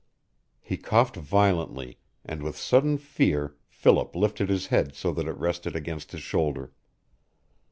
He coughed violently, and with sudden fear Philip lifted his head so that it rested against his shoulder.